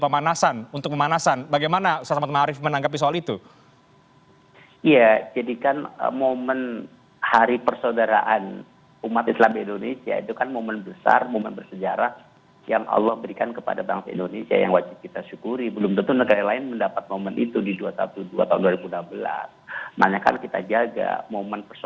pak selamat ma'arif nanti kita harus